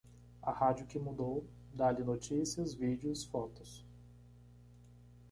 A rádio que mudou, dá-lhe notícias, vídeos, fotos.